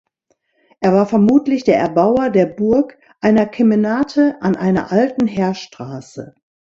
Er war vermutlich der Erbauer der Burg, einer Kemenate an einer alten Heerstraße.